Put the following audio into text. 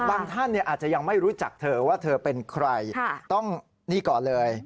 ท่านอาจจะยังไม่รู้จักเธอว่าเธอเป็นใครต้องนี่ก่อนเลย